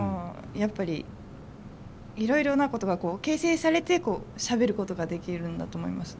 やっぱりいろいろなことが形成されてしゃべることができるんだと思います。